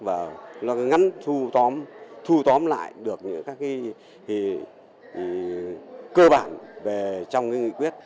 và nó ngắn thu tóm lại được những cái cơ bản về trong cái nghị quyết